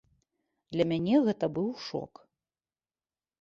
Для мяне гэта быў шок.